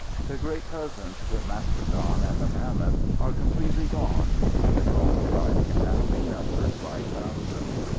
Their great cousins, the mastodon and the mammoth, are completely gone, and their own tribe can now be numbered by thousands.